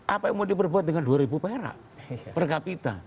apa yang mau diperbuat dengan dua ribu perak per kapita